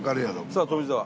さあ富澤。